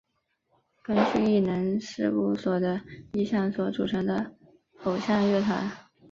根据艺能事务所的意向所组成的偶像乐团。